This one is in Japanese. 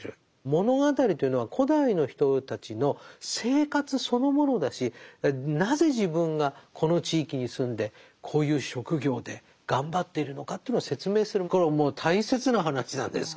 物語というのは古代の人たちの生活そのものだしなぜ自分がこの地域に住んでこういう職業で頑張っているのかというのを説明するこれももう大切な話なんです